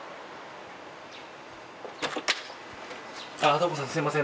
とも子さんすいません。